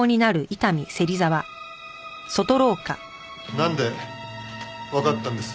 なんでわかったんです？